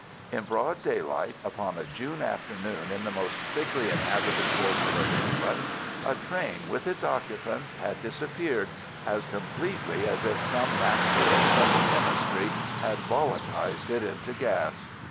In broad daylight, upon a June afternoon in the most thickly inhabited portion of England, a train with its occupants had disappeared as completely as if some master of subtle chemistry had volatilized it into gas.